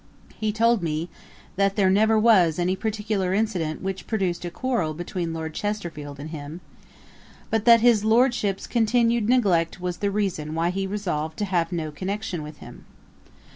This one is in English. He told me, that there never was any particular incident which produced a quarrel between Lord Chesterfield and him; but that his Lordship's continued neglect was the reason why he resolved to have no connection with him.